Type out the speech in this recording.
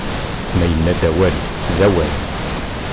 Ma yenna-d awal, d awal!